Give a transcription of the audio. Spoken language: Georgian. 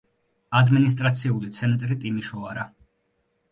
ადმინისტრაციული ცენტრი ტიმიშოარა.